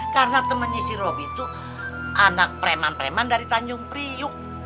karena temennya si robi tuh anak preman preman dari tanjung priuk